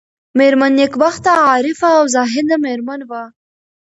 مېرمن نېکبخته عارفه او زاهده مېرمن وه.